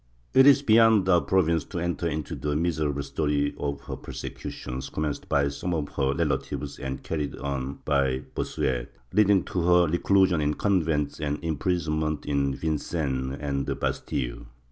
^ It is beyond our province to enter into the miserable story of her persecutions, commenced by some of her relatives and carried on by Bossuet, leading to her reclusion in convents and imprison ment in Vincennes and the Bastile.